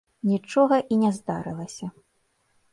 Нічога і не здарылася.